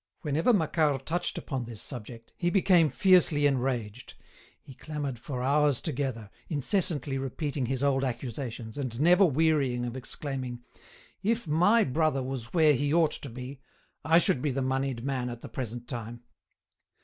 Whenever Macquart touched upon this subject, he became fiercely enraged; he clamoured for hours together, incessantly repeating his old accusations, and never wearying of exclaiming: "If my brother was where he ought to be, I should be the moneyed man at the present time!"